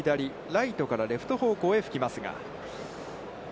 ライトからレフト方向へ吹きますが。